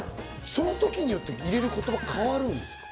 その時によって入れる言葉、変わるんですか？